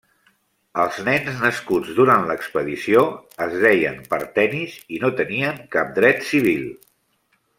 Els nens nascuts durant l'expedició es deien partenis i no tenien cap dret civil.